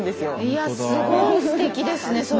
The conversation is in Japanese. いやすごいステキですねそれ。